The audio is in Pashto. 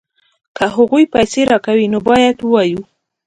که هغوی پیسې راکوي نو باید ووایو